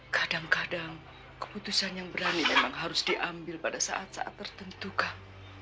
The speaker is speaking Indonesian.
kadang kadang keputusan yang berani memang harus diambil pada saat saat tertentukah